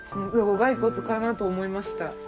骸骨かなと思いました。